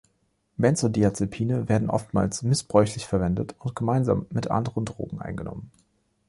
Benzodiazepine werden oftmals missbräuchlich verwendet und gemeinsam mit anderen Drogen eingenommen.